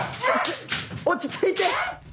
落ち着いて！